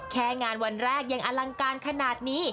แค่งานวันแรกยังอลังการขนาดนี้